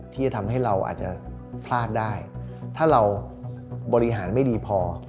ที่จะทำให้เราอาจจะพลาดได้ถ้าเราบริหารไม่ดีพอ